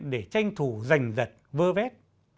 để tranh thủ rành rật vơ vét